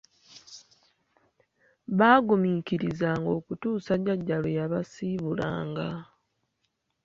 Baaguminkirizanga okutuusa jjajja lwe yabisasulanga.